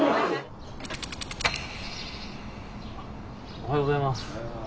おはようございます。